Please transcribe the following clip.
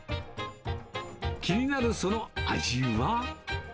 気になるその味は？